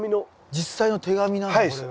実際の手紙なんだこれが。